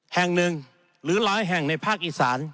แห่งหนึ่งหรือหลายแห่งในภาคอีสาน